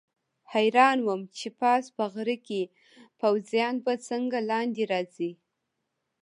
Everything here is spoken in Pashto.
حیران وم چې پاس په غره کې پوځیان به څنګه لاندې راځي.